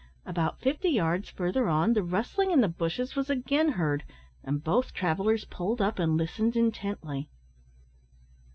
About fifty yards further on, the rustling in the bushes was again heard, and both travellers pulled up and listened intently.